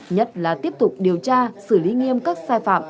nhất là tiếp tục điều tra xử lý nghiêm các sai phạm